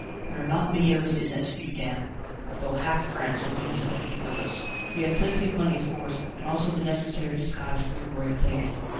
"There are not many of us in it," he began, "although half France will be in sympathy with us. We have plenty of money, of course, and also the necessary disguise for the royal lady."